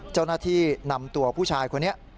เจ้าหน้าที่นำตัวผู้ชายคนนี้